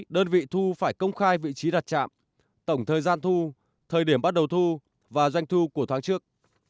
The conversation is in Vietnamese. đơn vị thu phải công khai vị trí đặt trạm tổng thời gian thu thời điểm bắt đầu thu và doanh thu của tháng trước